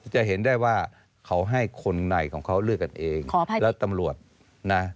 จะเห็นได้ว่าเขาให้คนในของเขาเลือกกันเองขออภัยแล้วตำรวจนะ